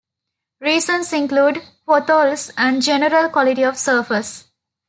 Reasons include potholes and general quality of surface.